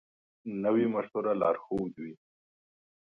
نوی مشوره لارښود وي